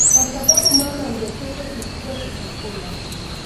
kwasababu mama ndio chanzo kikubwa cha chakula